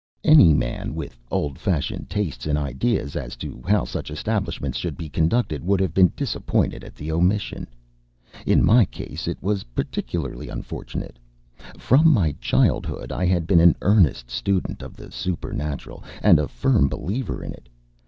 Any man with old fashioned tastes and ideas as to how such establishments should be conducted would have been disappointed at the omission. In my case it was particularly unfortunate. From my childhood I had been an earnest student of the supernatural, and a firm believer in it.